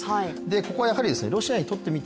ここはやはりロシアにとってみ